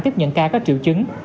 tiếp nhận ca có triệu chứng